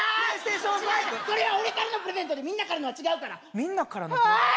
違うそれは俺からのプレゼントでみんなからのは違うからみんなからのプレゼああー！